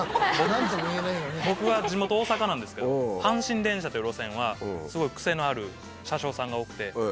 僕は地元大阪なんですけど阪神電車という路線はすごいクセのある車掌さんが多くて。